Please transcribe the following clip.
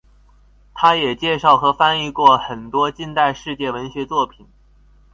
它也介绍和翻译过很多近代世界文学作品。